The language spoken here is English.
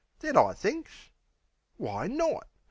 Then I thinks, "Why not?